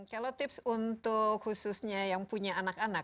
kalau tips untuk khususnya yang punya anak anak